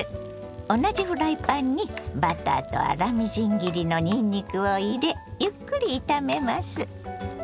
同じフライパンにバターと粗みじん切りのにんにくを入れゆっくり炒めます。